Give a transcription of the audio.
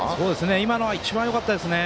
今のは一番よかったですね。